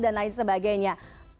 dan lain sebagainya